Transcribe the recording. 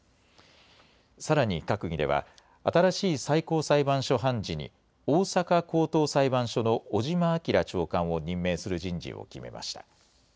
さらに閣議では新しい最高裁判所判事に大阪高等裁判所の尾島明長官を任命する人事を決めました。